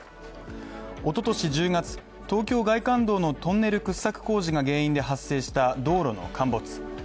おととし１０月、東京外環道のトンネル掘削工事が原因で発生した道路の陥没。